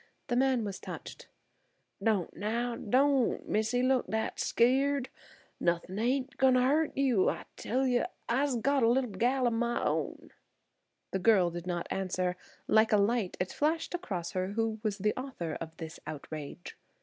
The man was touched. "Don't now, don't, missee, look that skeered. Nothin' ain't goin' hurt you, I tell you. Ise got a little gal o' my own." The girl did not answer. Like a light it flashed across her who was the author of this outrage.